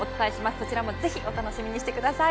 そちらもぜひお楽しみにしてください。